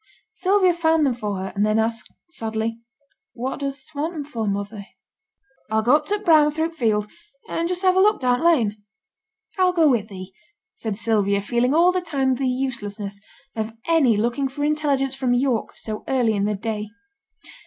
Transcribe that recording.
Sylvia found them for her, and then asked sadly 'What does ta want 'em for, mother?' 'I'll go up t' brow and through t' field, and just have a look down t' lane.' 'I'll go wi' thee,' said Sylvia, feeling all the time the uselessness of any looking for intelligence from York so early in the day.